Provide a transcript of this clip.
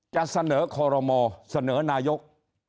จะเสนอคอรมอเสนอนายก